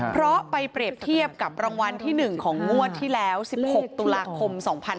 เพราะไปเปรียบเทียบกับรางวัลที่๑ของงวดที่แล้ว๑๖ตุลาคม๒๕๕๙